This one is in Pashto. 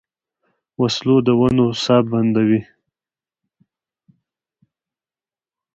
وسله د ونو ساه بندوي